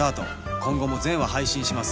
今後も全話配信します